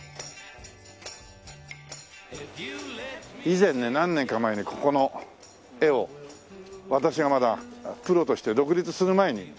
以前ね何年か前ねここの絵を私がまだプロとして独立する前に描きましたよ。